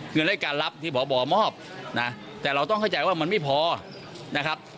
คือเลขการรับที่พบมอบนะแต่เราต้องเข้าใจว่ามันไม่พอนะครับ